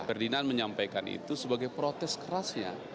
ferdinand menyampaikan itu sebagai protes kerasnya